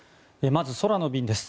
まず、空の便です。